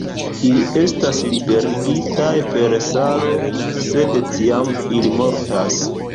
Ili estas liberigitaj per salo, sed tiam ili mortas.